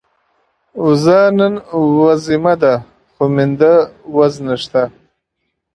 وزه نن وزيمه ده، خو مينده وز نشته